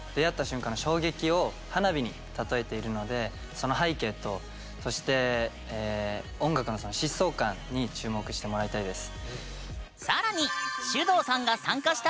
その背景とそして音楽の疾走感に注目してもらいたいです。